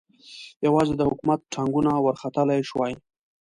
یوازې د حکومت ټانګونه ورختلای شوای.